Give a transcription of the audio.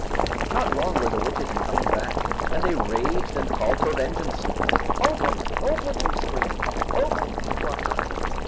Not long were the witches in coming back, and they raged and called for vengeance. "Open! open!" they screamed; "open, feet water!"